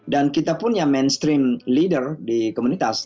dan kita pun yang mainstream leader di komunitas